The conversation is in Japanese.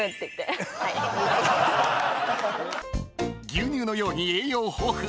［牛乳のように栄養豊富］